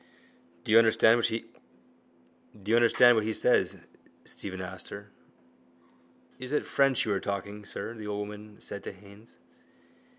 —Do you understand what he says? Stephen asked her. —Is it French you are talking, sir? the old woman said to Haines.